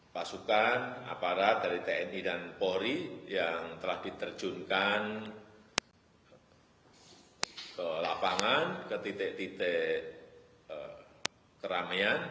pasukan aparat dari tni dan polri yang telah diterjunkan ke lapangan ke titik titik keramaian